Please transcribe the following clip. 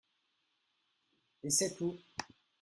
Et c'est tout